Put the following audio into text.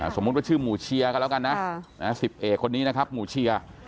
สมมุติว่าชื่อหมู่เชียร์กันแล้วกันนะ๑๐เอกคนนี้นะครับหมู่เชียร์